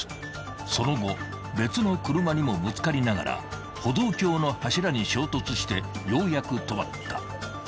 ［その後別の車にもぶつかりながら歩道橋の柱に衝突してようやく止まった］